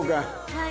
はい。